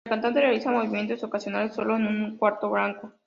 La cantante realiza movimientos ocasionales sola en un cuarto blanco.